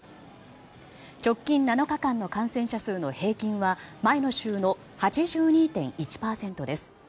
直近７日間の感染者数の平均は前の週の８２．１％です。